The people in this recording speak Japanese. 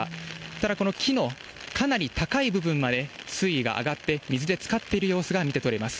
ただ、この木のかなり高い部分まで水位が上がって、水でつかっている様子が見て取れます。